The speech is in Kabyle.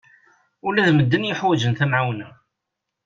Ula d medden yuḥwaǧen tamɛawna.